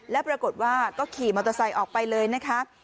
และปรากฏว่าก็ขี่มอเตอร์ไซค์ออกไปเลยนะคะ